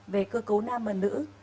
về cơ cấu nam và nữ